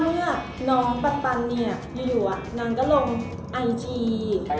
เมื่อน้องปันเนี่ยอยู่นางก็ลงไอจี